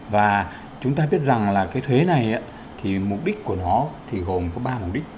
và chúng ta biết rằng thuế này mục đích của nó gồm có ba mục đích